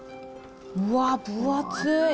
うわっ、分厚い。